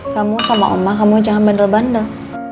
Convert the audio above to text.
kamu sama omah kamu jangan bandel bandel